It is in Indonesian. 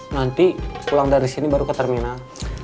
nanti pulang dari sini baru ke terminal